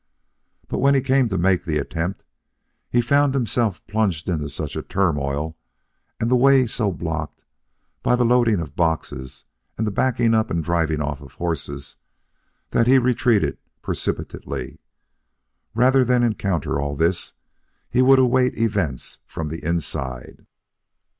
But when he came to make the attempt, he found himself plunged into such a turmoil and the way so blocked by the loading of boxes and the backing up and driving off of horses that he retreated precipitately. Rather than encounter all this, he would await events from the inside.